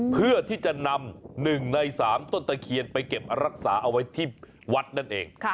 เพื่อที่จะนำ๑ใน๓ต้นตะเคียนไปเก็บรักษาเอาไว้ที่วัดนั่นเอง